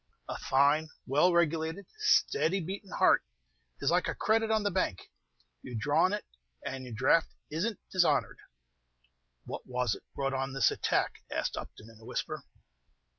A fine well regulated, steady batin' heart is like a credit on the bank, you draw on it, and your draft is n't dishonored!" "What was it brought on this attack?" asked Upton, in a whisper.